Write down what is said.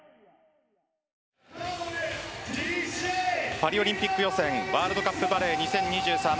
パリオリンピック予選ワールドカップバレー２０２３。